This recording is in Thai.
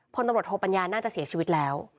พลตำรวจโทปัญญาน่าจะเสียชีวิตแล้ว